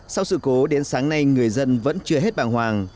sau sự cố đến sáng nay người dân vẫn chưa hết bàng hoàng